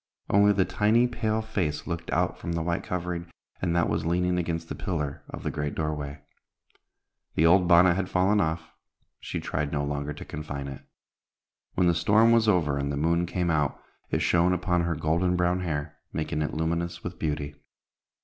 Only the tiny pale face looked out from the white covering, and that was leaning against the pillar of the great doorway. The old bonnet had fallen off; and she tried no longer to confine it. When the storm was over and the moon came out, it shone upon her golden brown hair, making it luminous with beauty.